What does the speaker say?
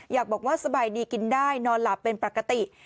อยากบอกว่าสบายดีกินได้นอนหลับเป็นปกติ